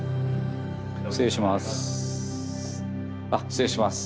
失礼します